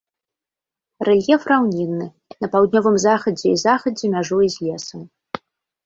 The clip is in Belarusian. Рэльеф раўнінны, на паўднёвым захадзе і захадзе мяжуе з лесам.